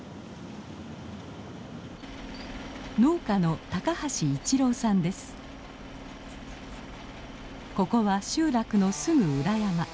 農家のここは集落のすぐ裏山。